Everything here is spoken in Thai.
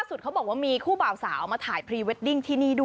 เขาบอกว่ามีคู่บ่าวสาวมาถ่ายพรีเวดดิ้งที่นี่ด้วย